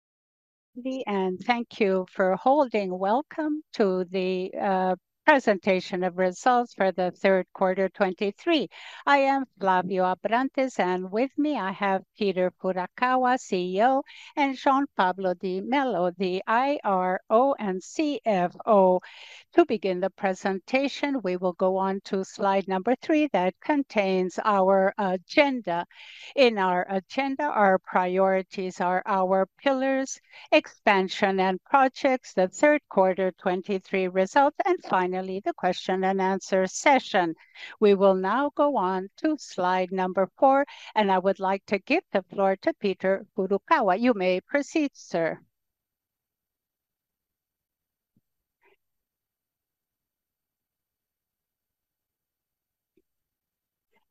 Thank you for holding. Welcome to the the question and answer session. We will now go on to slide number four, and I would like to give the floor to Peter Furukawa. You may proceed, sir.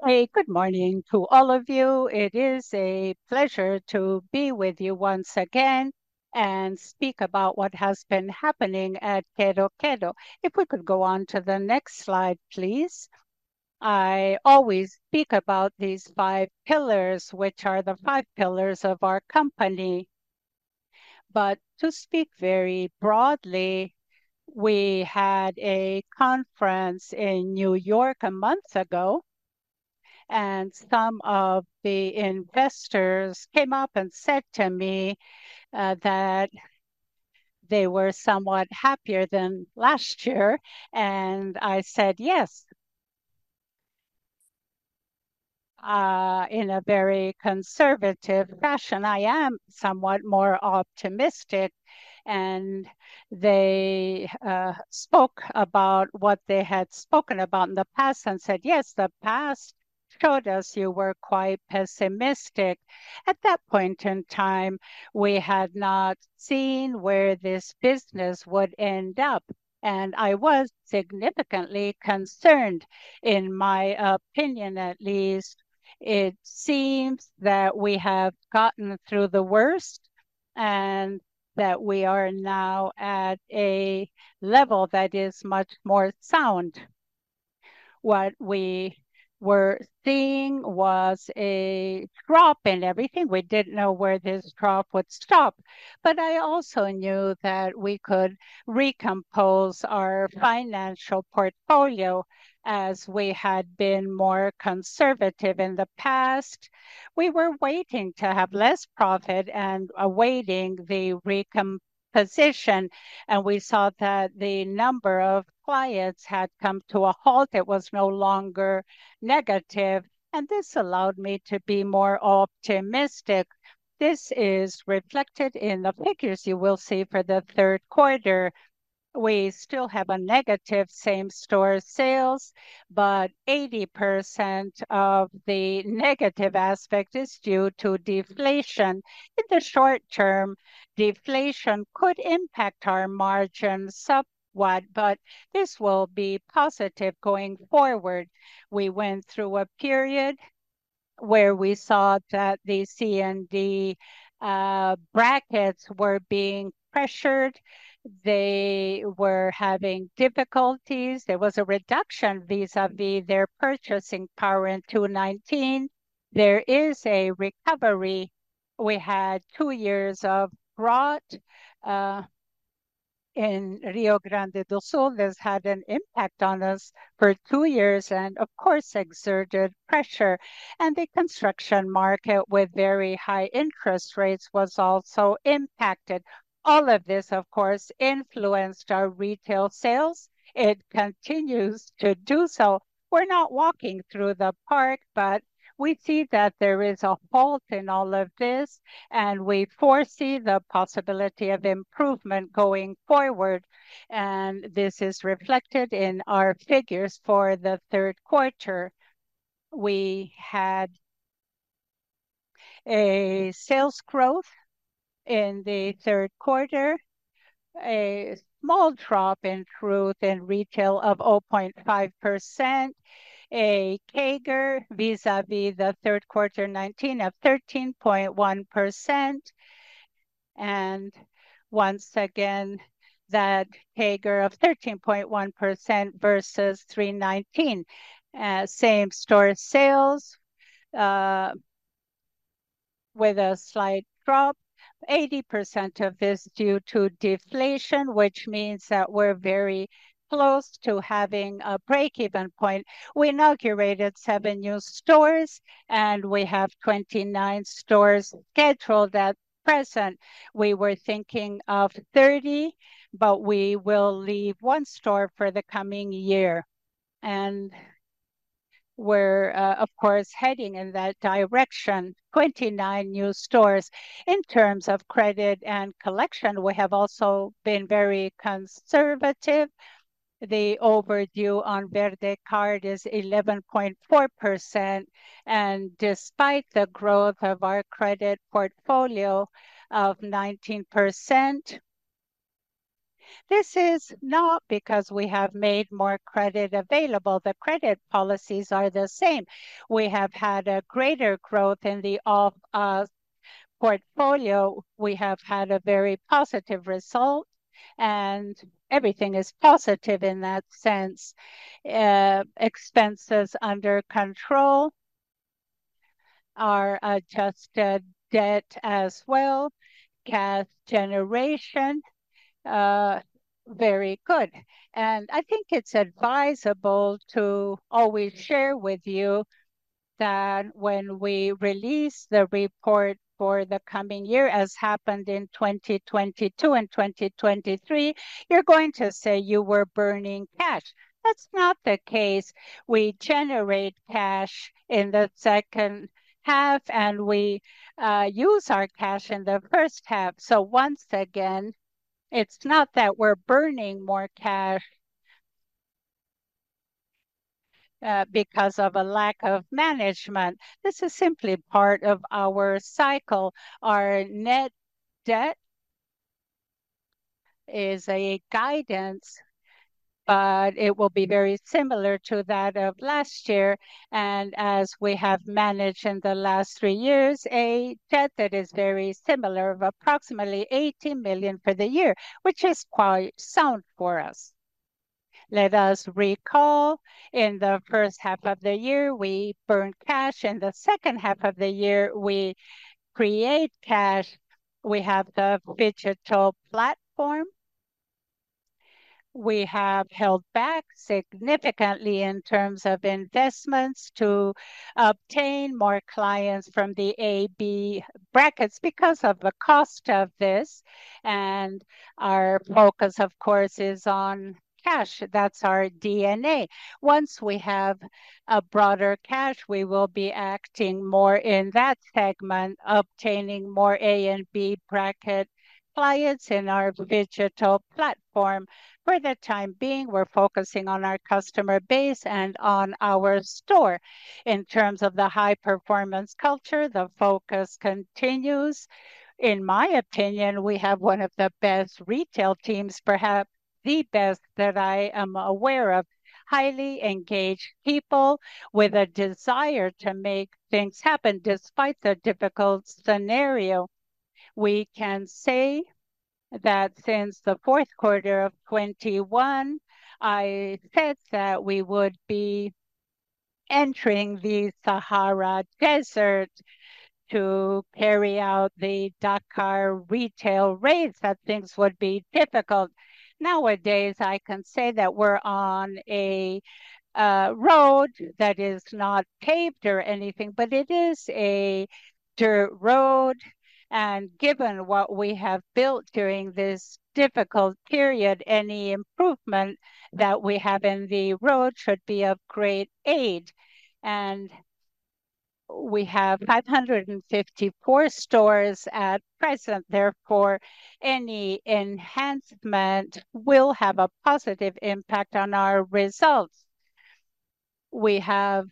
A good morning to all of you. It is a pleasure to be with you once again and speak about what has been happening at Quero-Quero. If we could go on to the next slide, please. I always speak about these five pillars, which are the five pillars of our company. But to speak very broadly, we had a conference in New York a month ago, and some of the investors came up and said to me, that they were somewhat happier than last year, and I said, "Yes," in a very conservative fashion. I am somewhat more optimistic. And they, spoke about what they had spoken about in the past and said, "Yes, the past showed us you were quite pessimistic." At that point in time, we had not seen where this business would end up, and I was significantly concerned. In my opinion, at least, it seems that we have gotten through the worst, and that we are now at a level that is much more sound. What we were seeing was a drop in everything. We didn't know where this drop would stop, but I also knew that we could recompose our financial portfolio, as we had been more conservative in the past. We were waiting to have less profit and awaiting the recomposition, and we saw that the number of clients had come to a halt. It was no longer negative, and this allowed me to be more optimistic. This is reflected in the figures you will see for the third quarter. We still have a negative same-store sales, but 80% of the negative aspect is due to deflation. In the short term, deflation could impact our margins somewhat, but this will be positive going forward. We went through a period where we saw that the C and D brackets were being pressured. They were having difficulties. There was a reduction vis-à-vis their purchasing power in 2019. There is a recovery. We had two years of drought, and Rio Grande do Sul has had an impact on us for two years and, of course, exerted pressure, and the construction market with very high interest rates was also impacted. All of this, of course, influenced our retail sales. It continues to do so. We're not walking through the park, but we see that there is a halt in all of this, and we foresee the possibility of improvement going forward, and this is reflected in our figures for the third quarter. We had a sales growth in the third quarter, a small drop in growth in retail of 0.5%, a CAGR vis-à-vis the third quarter 2019 of 13.1%, and once again, that CAGR of 13.1% versus Q3 2019. Same-store sales with a slight drop, 80% of this due to deflation, which means that we're very close to having a break-even point. We inaugurated seven new stores, and we have 29 stores scheduled at present. We were thinking of 30, but we will leave one store for the coming year, and we're, of course, heading in that direction, 29 new stores. In terms of credit and collection, we have also been very conservative. The overdue on VerdeCard is 11.4%, and despite the growth of our credit portfolio of 19%, this is not because we have made more credit available. The credit policies are the same. We have had a greater growth in the off portfolio. We have had a very positive result, and everything is positive in that sense. Expenses under control. Our adjusted debt as well, cash generation, very good. And I think it's advisable to always share with you that when we release the report for the coming year, as happened in 2022 and 2023, you're going to say you were burning cash. That's not the case. We generate cash in the second half, and we use our cash in the first half. So once again, it's not that we're burning more cash because of a lack of management. This is simply part of our cycle. Our net debt is a guidance, but it will be very similar to that of last year, and as we have managed in the last three years, a debt that is very similar, of approximately 80 million for the year, which is quite sound for us. Let us recall, in the first half of the year, we burned cash. In the second half of the year, we create cash. We have the digital platform. We have held back significantly in terms of investments to obtain more clients from the AB brackets because of the cost of this, and our focus, of course, is on cash. That's our D&A. Once we have a broader cash, we will be acting more in that segment, obtaining more A and B bracket clients in our digital platform. For the time being, we're focusing on our customer base and on our store. In terms of the high-performance culture, the focus continues. In my opinion, we have one of the best retail teams, perhaps the best that I am aware of. Highly engaged people with a desire to make things happen despite the difficult scenario. We can say that since the fourth quarter of 2021, I said that we would be entering the Sahara Desert to carry out the Dakar retail race, that things would be difficult. Nowadays, I can say that we're on a road that is not paved or anything, but it is a dirt road, and given what we have built during this difficult period, any improvement that we have in the road should be of great aid. We have 554 stores at present, therefore, any enhancement will have a positive impact on our results. We have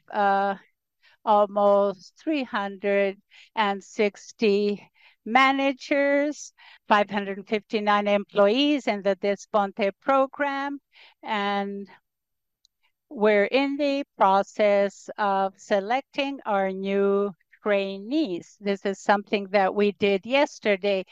almost 360 managers, 559 employees in the Desponte program, and we're in the process of selecting our new trainees. This is something that we did yesterday.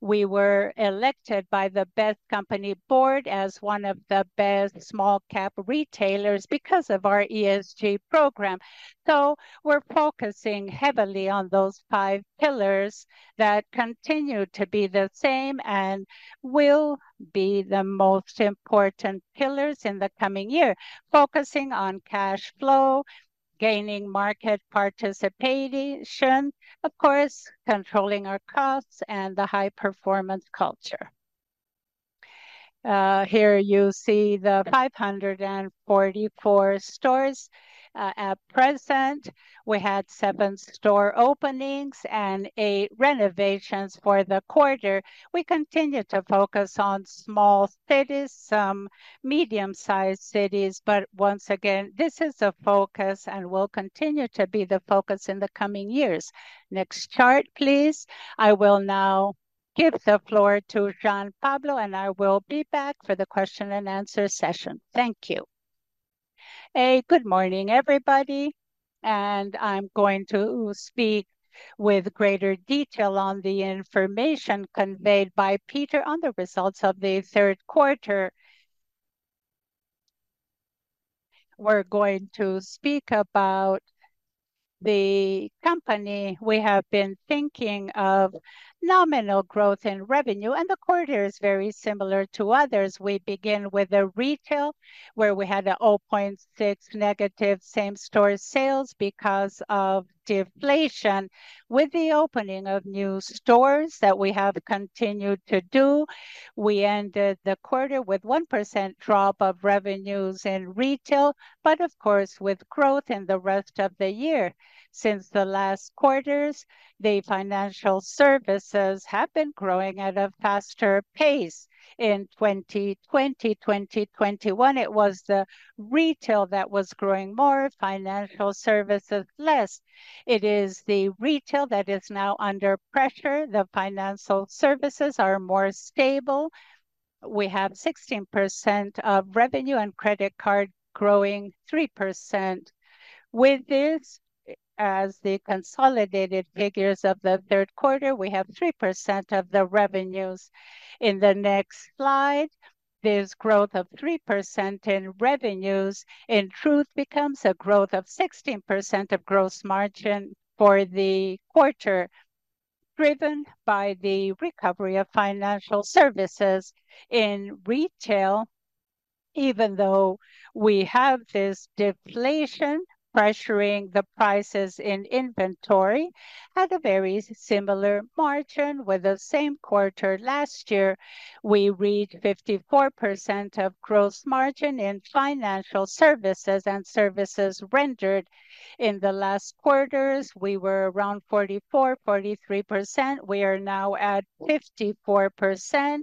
We were elected by the Best Company Board as one of the best small cap retailers because of our ESG program. So we're focusing heavily on those five pillars that continue to be the same and will be the most important pillars in the coming year, focusing on cash flow, gaining market participation, of course, controlling our costs and the high-performance culture. Here you see the 544 stores. At present, we had seven store openings and eight renovations for the quarter. We continue to focus on small cities, some medium-sized cities, but once again, this is a focus and will continue to be the focus in the coming years. Next chart, please. I will now give the floor to Jean Pablo, and I will be back for the question and answer session. Thank you. Good morning, everybody, and I'm going to speak with greater detail on the information conveyed by Peter on the results of the third quarter. We're going to speak about the company. We have been thinking of nominal growth in revenue, and the quarter is very similar to others. We begin with the retail, where we had -0.6% same-store sales because of deflation. With the opening of new stores that we have continued to do, we ended the quarter with 1% drop of revenues in retail, but of course, with growth in the rest of the year. Since the last quarters, the financial services have been growing at a faster pace. In 2020, 2021, it was the retail that was growing more, financial services less. It is the retail that is now under pressure. The financial services are more stable. We have 16% of revenue and credit card growing 3%. With this, as the consolidated figures of the third quarter, we have 3% of the revenues. In the next slide, this growth of 3% in revenues, in truth, becomes a growth of 16% of gross margin for the quarter, driven by the recovery of financial services in retail, even though we have this deflation pressuring the prices in inventory at a very similar margin with the same quarter last year. We read 54% of gross margin in financial services and services rendered. In the last quarters, we were around 44, 43%. We are now at 54%,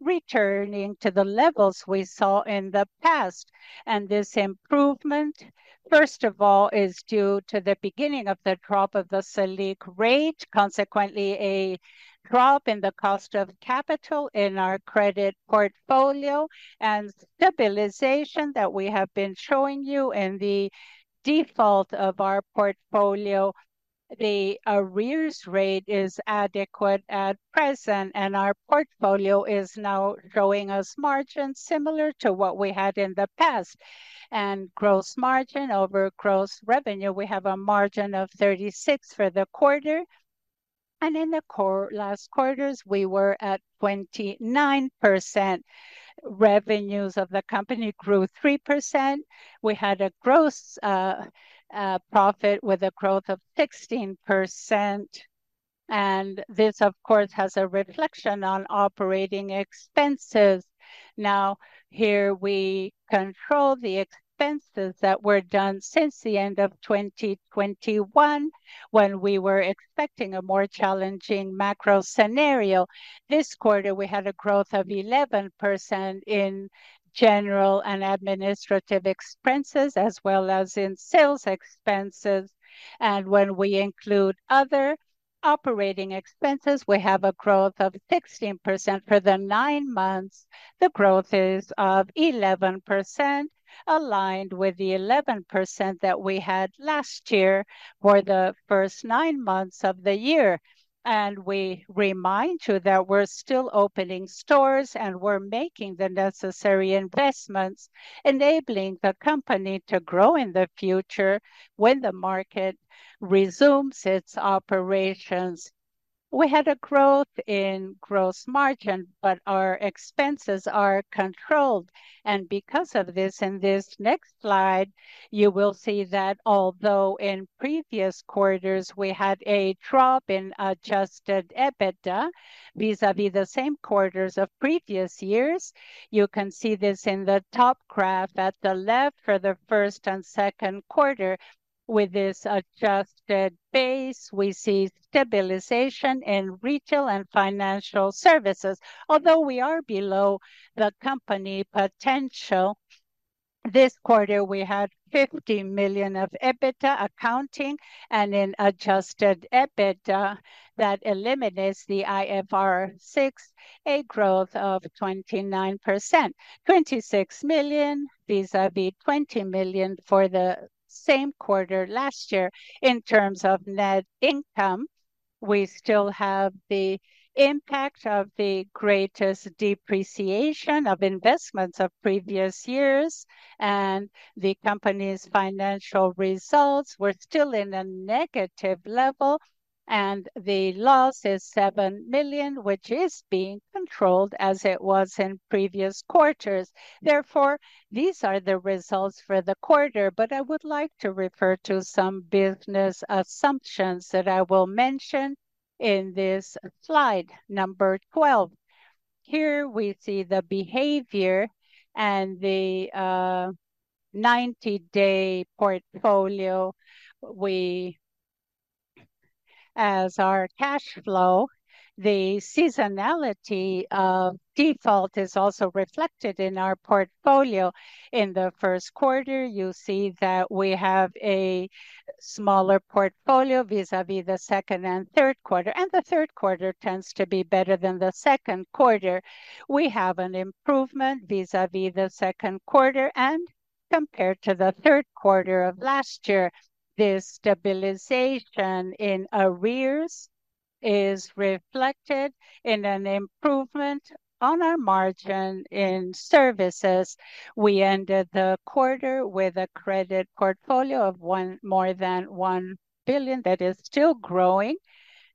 returning to the levels we saw in the past. And this improvement, first of all, is due to the beginning of the drop of the Selic rate, consequently, a drop in the cost of capital in our credit portfolio and stabilization that we have been showing you in the default of our portfolio. The arrears rate is adequate at present, and our portfolio is now showing us margins similar to what we had in the past. And gross margin over gross revenue, we have a margin of 36 for the quarter, and in the last quarters, we were at 29%. Revenues of the company grew 3%. We had a gross profit with a growth of 16%, and this, of course, has a reflection on operating expenses. Now, here we control the expenses that were done since the end of 2021, when we were expecting a more challenging macro scenario. This quarter, we had a growth of 11% in general and administrative expenses, as well as in sales expenses. When we include other operating expenses, we have a growth of 16%. For the nine months, the growth is of 11%, aligned with the 11% that we had last year for the first nine months of the year. We remind you that we're still opening stores, and we're making the necessary investments, enabling the company to grow in the future when the market resumes its operations. We had a growth in gross margin, but our expenses are controlled. Because of this, in this next slide, you will see that although in previous quarters we had a drop in adjusted EBITDA, vis-à-vis the same quarters of previous years, you can see this in the top graph at the left for the first and second quarter. With this adjusted base, we see stabilization in retail and financial services. Although we are below the company potential, this quarter, we had 50 million of EBITDA accounting and an adjusted EBITDA that eliminates the IFRS 16, a growth of 29%, 26 million, vis-a-vis 20 million for the same quarter last year. In terms of net income, we still have the impact of the greatest depreciation of investments of previous years, and the company's financial results were still in a negative level, and the loss is 7 million, which is being controlled as it was in previous quarters. Therefore, these are the results for the quarter, but I would like to refer to some business assumptions that I will mention in this slide, number 12. Here we see the behavior and the ninety-day portfolio. We... As our cash flow, the seasonality of default is also reflected in our portfolio. In the first quarter, you'll see that we have a smaller portfolio vis-a-vis the second and third quarter, and the third quarter tends to be better than the second quarter. We have an improvement vis-a-vis the second quarter and compared to the third quarter of last year. This stabilization in arrears is reflected in an improvement on our margin in services. We ended the quarter with a credit portfolio of more than 1 billion that is still growing,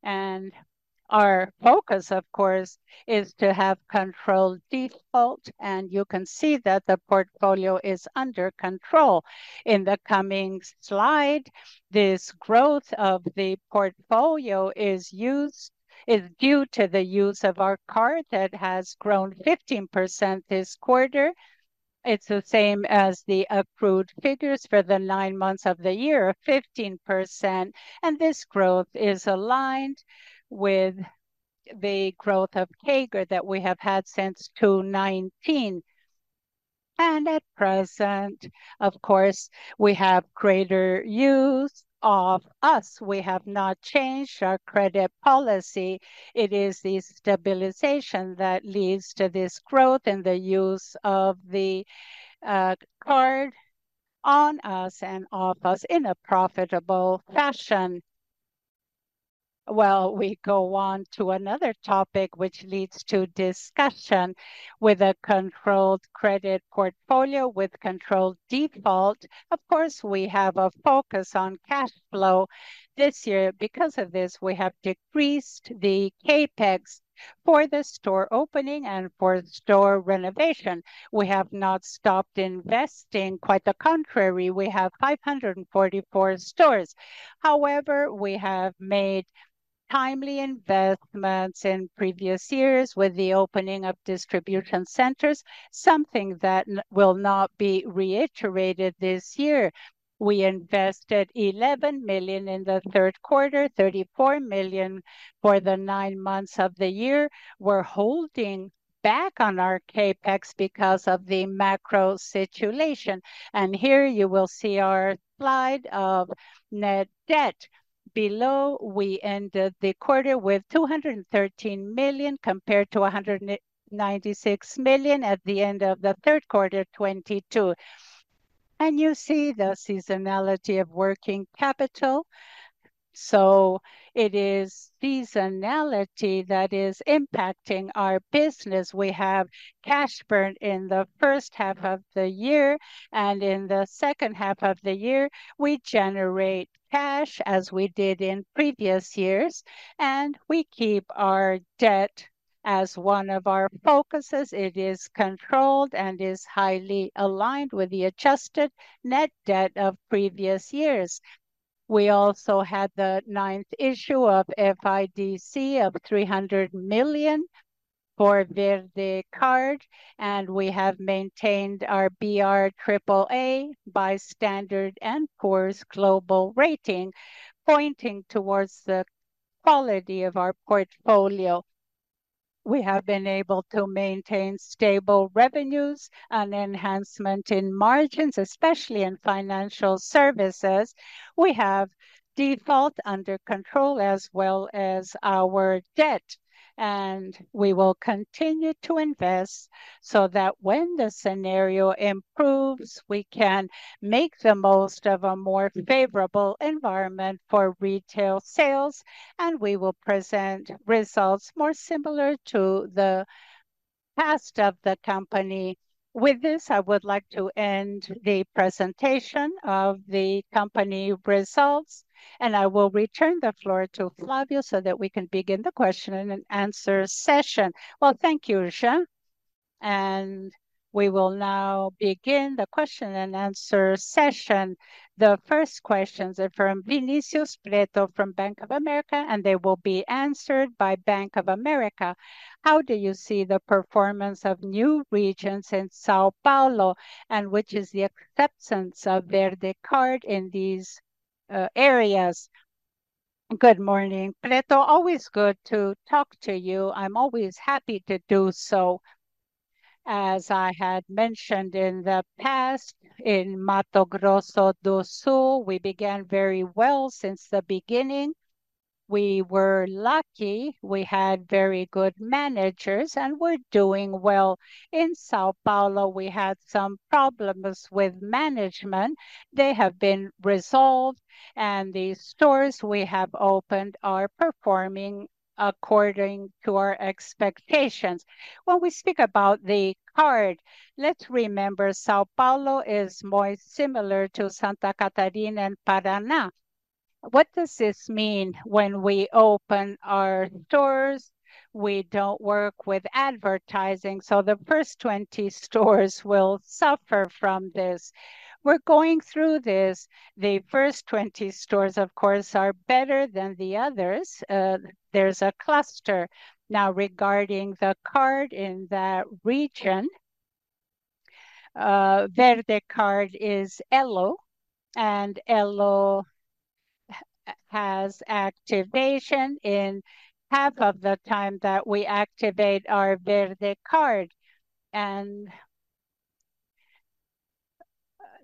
and our focus, of course, is to have controlled default, and you can see that the portfolio is under control. In the coming slide, this growth of the portfolio is due to the use of our card that has grown 15% this quarter. It's the same as the approved figures for the nine months of the year, 15%, and this growth is aligned with the growth of CAGR that we have had since 2019. At present, of course, we have greater use of us. We have not changed our credit policy. It is the stabilization that leads to this growth and the use of the card on-us and off-us in a profitable fashion.... Well, we go on to another topic, which leads to discussion with a controlled credit portfolio with controlled default. Of course, we have a focus on cash flow this year. Because of this, we have decreased the CapEx for the store opening and for store renovation. We have not stopped investing. Quite the contrary, we have 544 stores. However, we have made timely investments in previous years with the opening of distribution centers, something that will not be reiterated this year. We invested 11 million in the third quarter, 34 million for the nine months of the year. We're holding back on our CapEx because of the macro situation, and here you will see our slide of net debt. Below, we ended the quarter with 213 million, compared to 196 million at the end of the third quarter 2022. And you see the seasonality of working capital, so it is seasonality that is impacting our business. We have cash burn in the first half of the year, and in the second half of the year, we generate cash as we did in previous years, and we keep our debt as one of our focuses. It is controlled and is highly aligned with the adjusted net debt of previous years. We also had the ninth issue of FIDC of 300 million for VerdeCard, and we have maintained our brAAA by S&P Global Ratings, pointing towards the quality of our portfolio. We have been able to maintain stable revenues and enhancement in margins, especially in financial services. We have default under control, as well as our debt, and we will continue to invest so that when the scenario improves, we can make the most of a more favorable environment for retail sales, and we will present results more similar to the past of the company. With this, I would like to end the presentation of the company results, and I will return the floor to Flavio so that we can begin the question-and-answer session. Well, thank you, Jean. We will now begin the question-and-answer session. The first questions are from Vinícius Pretto from Bank of America, and they will be answered by Jean Pablo de Mello. How do you see the performance of new regions in São Paulo, and which is the acceptance of VerdeCard in these areas? Good morning, Pretto. Always good to talk to you. I'm always happy to do so. As I had mentioned in the past, in Mato Grosso do Sul, we began very well since the beginning. We were lucky. We had very good managers, and we're doing well. In São Paulo, we had some problems with management. They have been resolved, and the stores we have opened are performing according to our expectations. When we speak about the card, let's remember São Paulo is more similar to Santa Catarina and Paraná. What does this mean when we open our doors? We don't work with advertising, so the first 20 stores will suffer from this. We're going through this. The first 20 stores, of course, are better than the others. There's a cluster now regarding the card in that region. VerdeCard is Elo, and Elo has activation in half of the time that we activate our VerdeCard, and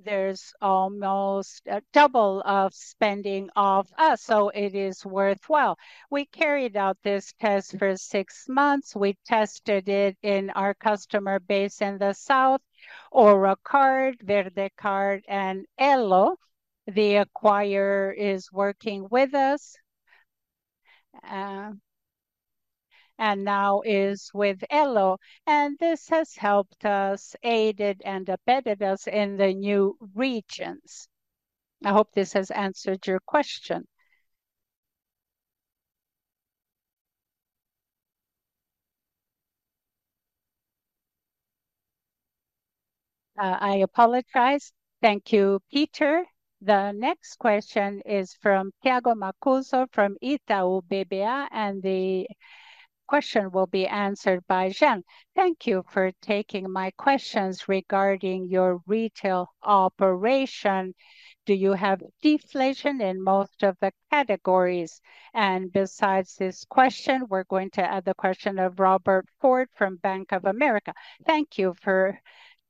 there's almost double of spending off-us, so it is worthwhile. We carried out this test for six months. We tested it in our customer base in the south, our card, VerdeCard, and Elo. The acquirer is working with us, and now is with Elo, and this has helped us, aided and abetted us in the new regions. I hope this has answered your question. I apologize. Thank you, Peter. The next question is from Thiago Macruz from Itaú BBA, and the question will be answered by Jean. Thank you for taking my questions regarding your retail operation. Do you have deflation in most of the categories? And besides this question, we're going to add the question of Robert Ford from Bank of America. Thank you for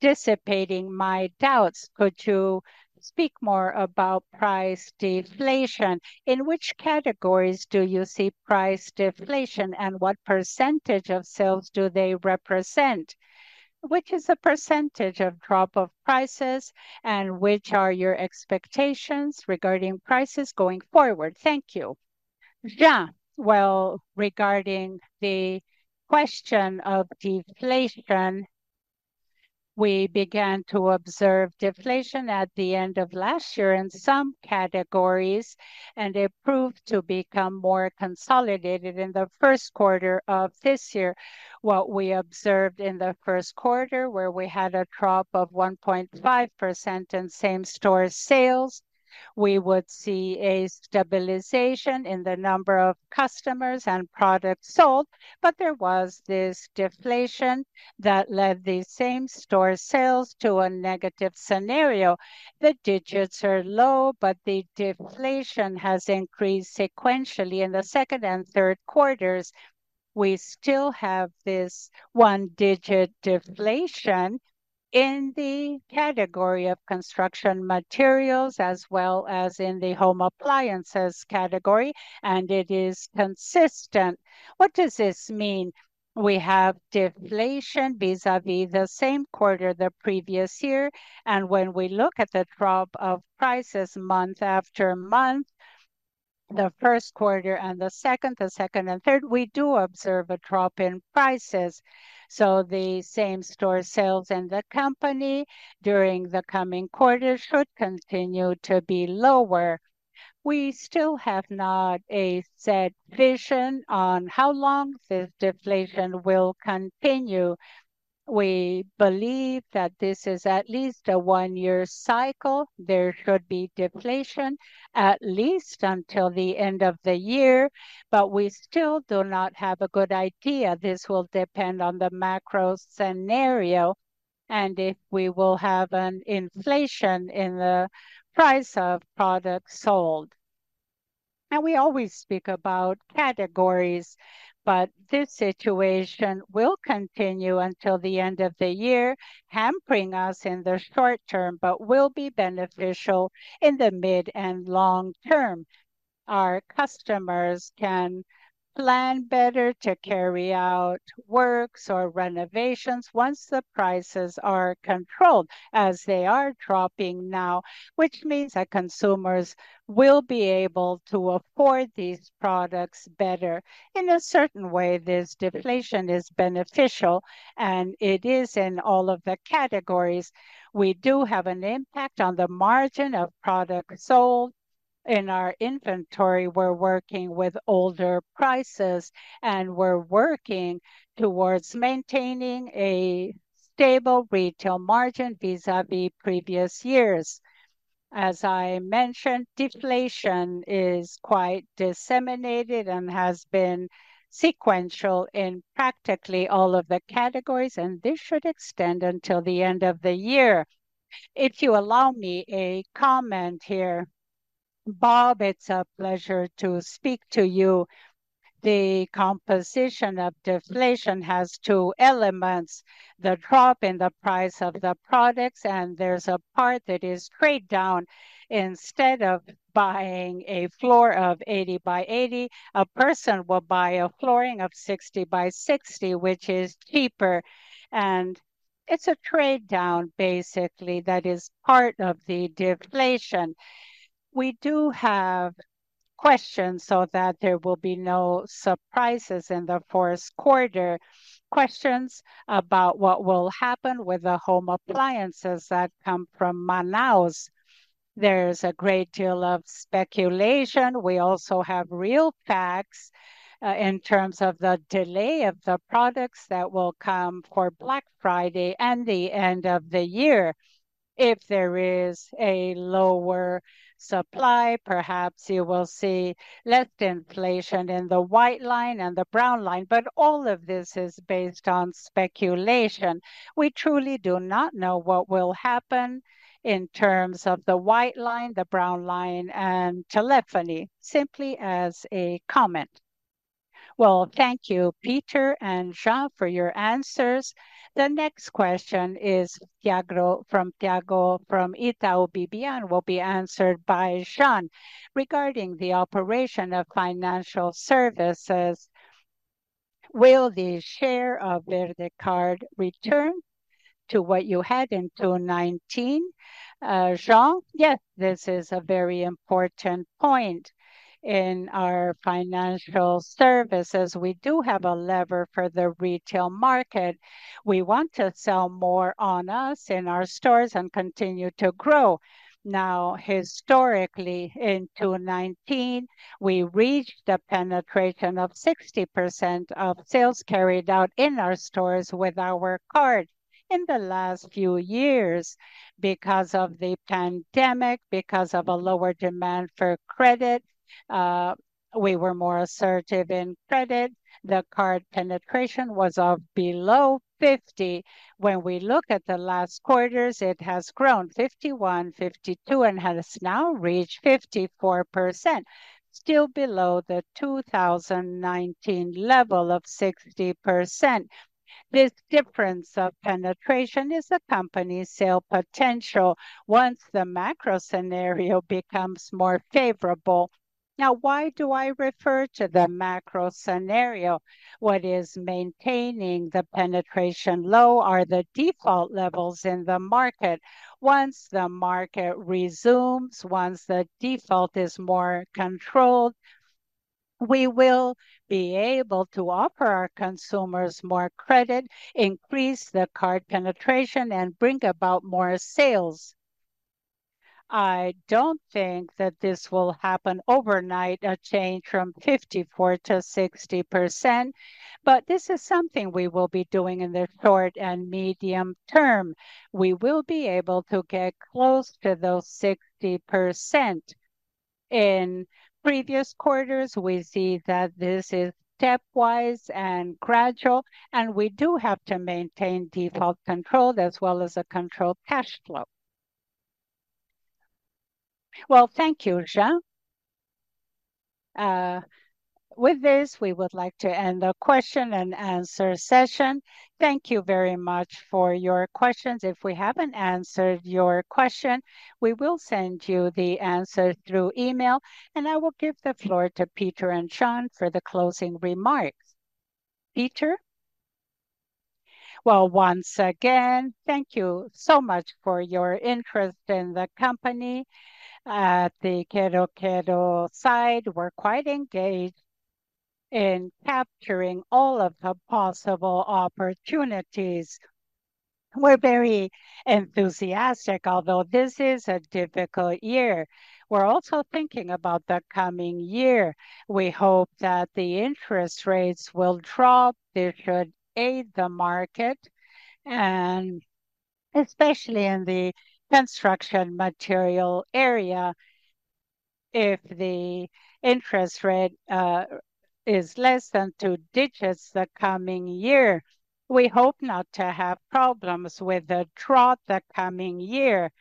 dissipating my doubts. Could you speak more about price deflation? In which categories do you see price deflation, and what percentage of sales do they represent? Which is the percentage of drop of prices, and which are your expectations regarding prices going forward? Thank you. Yeah. Well, regarding the question of deflation, we began to observe deflation at the end of last year in some categories, and it proved to become more consolidated in the first quarter of this year. What we observed in the first quarter, where we had a drop of 1.5% in same-store sales, we would see a stabilization in the number of customers and products sold, but there was this deflation that led the same-store sales to a negative scenario. The digits are low, but the deflation has increased sequentially in the second and third quarters. We still have this one-digit deflation in the category of construction materials, as well as in the home appliances category, and it is consistent. What does this mean? We have deflation vis-à-vis the same quarter the previous year, and when we look at the drop of prices month after month, the first quarter and the second, the second and third, we do observe a drop in prices. So the same-store sales in the company during the coming quarter should continue to be lower. We still have not a set vision on how long this deflation will continue. We believe that this is at least a one-year cycle. There should be deflation at least until the end of the year, but we still do not have a good idea. This will depend on the macro scenario and if we will have an inflation in the price of products sold. Now, we always speak about categories, but this situation will continue until the end of the year, hampering us in the short term, but will be beneficial in the mid and long term. Our customers can plan better to carry out works or renovations once the prices are controlled, as they are dropping now, which means that consumers will be able to afford these products better. In a certain way, this deflation is beneficial, and it is in all of the categories. We do have an impact on the margin of products sold. In our inventory, we're working with older prices, and we're working towards maintaining a stable retail margin vis-a-vis previous years. As I mentioned, deflation is quite disseminated and has been sequential in practically all of the categories, and this should extend until the end of the year. If you allow me a comment here, Bob, it's a pleasure to speak to you. The composition of deflation has two elements: the drop in the price of the products, and there's a part that is trade down. Instead of buying a floor of 80 by 80, a person will buy a flooring of 60 by 60, which is cheaper, and it's a trade-down basically that is part of the deflation. We do have questions so that there will be no surprises in the fourth quarter. Questions about what will happen with the home appliances that come from Manaus. There's a great deal of speculation. We also have real facts in terms of the delay of the products that will come for Black Friday and the end of the year. If there is a lower supply, perhaps you will see less inflation in the white line and the brown line, but all of this is based on speculation. We truly do not know what will happen in terms of the white line, the brown line, and telephony, simply as a comment. Well, thank you, Peter and Jean, for your answers. The next question is from Thiago from Itaú BBA, will be answered by Jean. Regarding the operation of financial services, will the share of VerdeCard return to what you had in 2019? Jean? Yes, this is a very important point. In our financial services, we do have a lever for the retail market. We want to sell more on us in our stores and continue to grow. Now, historically, in 2019, we reached a penetration of 60% of sales carried out in our stores with our card. In the last few years, because of the pandemic, because of a lower demand for credit, we were more assertive in credit. The card penetration was of below 50. When we look at the last quarters, it has grown 51, 52, and has now reached 54%, still below the 2019 level of 60%. This difference of penetration is the company's sale potential once the macro scenario becomes more favorable. Now, why do I refer to the macro scenario? What is maintaining the penetration low are the default levels in the market. Once the market resumes, once the default is more controlled, we will be able to offer our consumers more credit, increase the card penetration, and bring about more sales. I don't think that this will happen overnight, a change from 54%-60%, but this is something we will be doing in the short and medium term. We will be able to get close to those 60%. In previous quarters, we see that this is stepwise and gradual, and we do have to maintain default control as well as a controlled cash flow. Well, thank you, Jean. With this, we would like to end the question and answer session. Thank you very much for your questions. If we haven't answered your question, we will send you the answer through email, and I will give the floor to Peter and Jean for the closing remarks. Peter? Well, once again, thank you so much for your interest in the company. At the Quero-Quero side, we're quite engaged in capturing all of the possible opportunities. We're very enthusiastic, although this is a difficult year. We're also thinking about the coming year. We hope that the interest rates will drop. This should aid the market, and especially in the construction material area. If the interest rate is less than two digits the coming year, we hope not to have problems with the drought the coming year.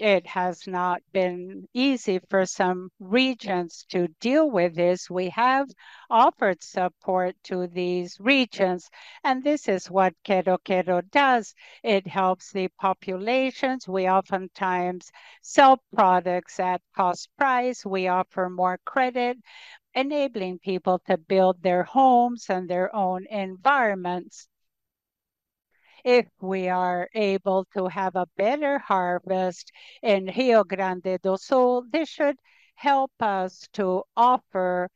It has not been easy for some regions to deal with this. We have offered support to these regions, and this is what Quero-Quero does. It helps the populations. We oftentimes sell products at cost price. We offer more credit, enabling people to build their homes and their own environments. If we are able to have a better harvest in Rio Grande do Sul, this should help us to offer,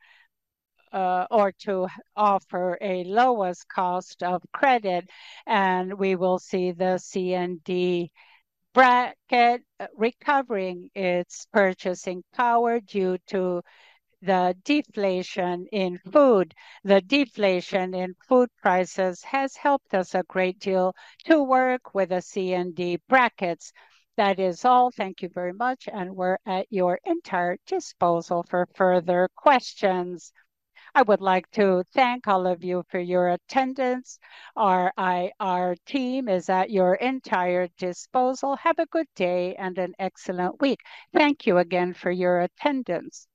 or to offer a lowest cost of credit, and we will see the C and D bracket, recovering its purchasing power due to the deflation in food. The deflation in food prices has helped us a great deal to work with the C and D brackets. That is all. Thank you very much, and we're at your entire disposal for further questions. I would like to thank all of you for your attendance. Our IR team is at your entire disposal. Have a good day and an excellent week. Thank you again for your attendance.